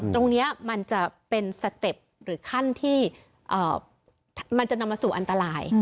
ตรงนี้มันจะเป็นสเต็ปหรือขั้นที่มันจะนำมาสู่อันตราย